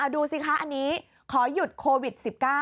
ดูสิคะอันนี้ขอหยุดโควิด๑๙